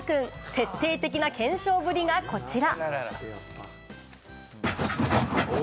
徹底的な検証ぶりがこちら。